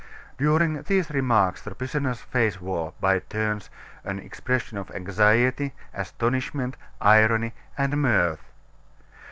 During these remarks the prisoner's face wore, by turns, an expression of anxiety, astonishment, irony, and mirth.